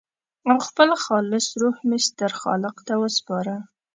او خپل خالص روح مې ستر خالق ته وسپاره.